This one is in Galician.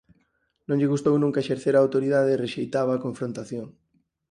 Non lle gustou nunca exercer a autoridade e rexeitaba a confrontación.